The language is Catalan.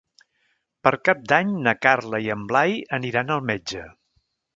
Per Cap d'Any na Carla i en Blai aniran al metge.